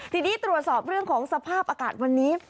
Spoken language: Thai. ทีนี้ตรวจสอบเรื่องของสภาพอากาศวันนี้